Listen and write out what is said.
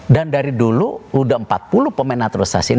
dan dari dulu sudah empat puluh pemain naturalisasi